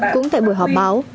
cũng tại buổi họp báo